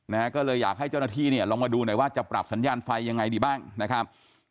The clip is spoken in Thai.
นะฮะก็เลยอยากให้เจ้าหน้าที่เนี่ยลองมาดูหน่อยว่าจะปรับสัญญาณไฟยังไงดีบ้างนะครับ